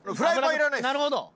なるほど。